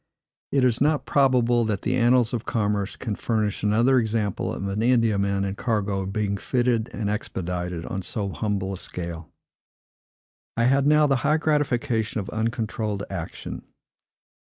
It is not probable that the annals of commerce can furnish another example of an Indiaman and cargo being fitted and expedited on so humble a scale. I had now the high gratification of uncontrolled action.